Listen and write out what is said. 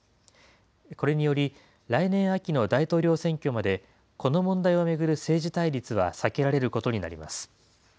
これにより、来年秋の大統領選挙まで、この問題を巡る政治対立は避けられることになります。